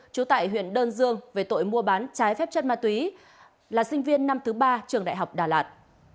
trú tại huyện đơn dương về tội mua bán trái phép chất ma túy là sinh viên năm thứ ba trường đại học đà lạt